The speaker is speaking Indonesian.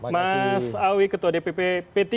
mas awi ketua dpp p tiga